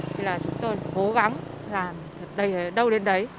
thì là chúng tôi cố gắng làm thật đầy ở đâu đến đấy